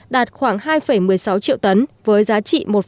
đạt khoảng hai một mươi sáu triệu tấn với giá trị một